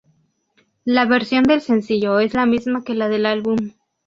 La versión del sencillo es la misma que la del álbum.